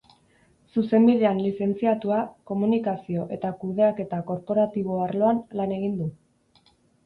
Zuzenbidean lizentziatua, komunikazio eta kudeaketa korporatibo arloan lan egin du.